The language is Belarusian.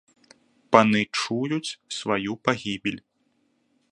Паны чуюць сваю пагібель.